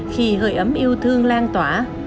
khi hơi ấm yêu thương lan tỏa